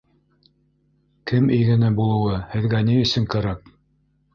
— Кем игене булыуы һеҙгә ни өсөн кәрәк?